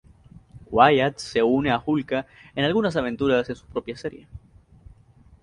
Wyatt se une a Hulka en algunas aventuras en su propia serie.